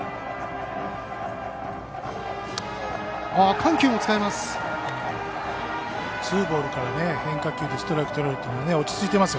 緩急も使います。